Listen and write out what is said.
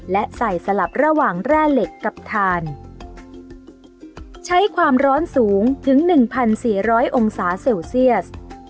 และใส่สลับระหว่างแร่เหล็กกับทานใช้ความร้อนสูงถึงหนึ่งพันสี่ร้อยองศาเซลเซียส